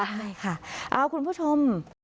ใช่ค่ะเอาคุณผู้ชม